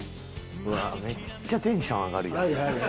うわっめっちゃテンション上がるやん。